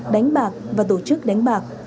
đánh bạc và tổ chức đánh bạc